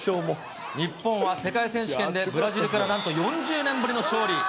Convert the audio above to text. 日本は世界選手権でブラジルからなんと４０年ぶりの勝利。